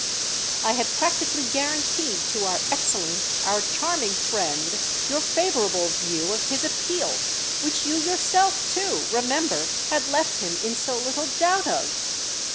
"I had practically guaranteed to our excellent, our charming friend, your favourable view of his appeal—which you yourself too, remember, had left him in so little doubt of!